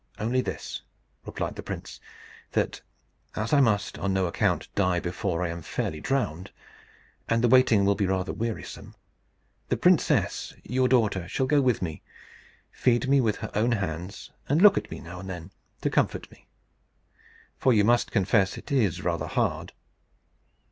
"Only this," replied the prince: "that, as I must on no account die before I am fairly drowned, and the waiting will be rather wearisome, the princess, your daughter, shall go with me, feed me with her own hands, and look at me now and then, to comfort me; for you must confess it is rather hard.